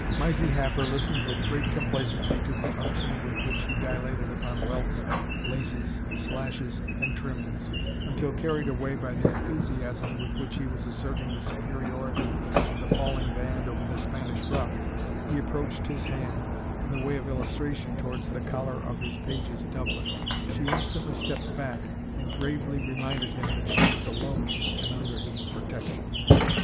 Mysie Happer listened with great complacency to the unction with which he dilated upon welts, laces, slashes, and trimmings, until, carried away by the enthusiasm with which he was asserting the superiority of the falling band over the Spanish ruff, he approached his hand, in the way of illustration, towards the collar of his page's doublet. She instantly stepped back and gravely reminded him that she was alone and under his protection.